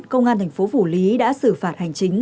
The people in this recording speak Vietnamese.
công an thành phố phủ lý đã xử phạt hành chính